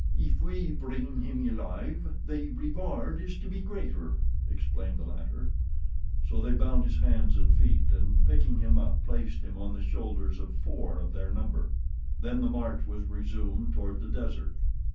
"If we bring him alive the reward is to be greater," explained the latter. So they bound his hands and feet, and, picking him up, placed him on the shoulders of four of their number. Then the march was resumed toward the desert.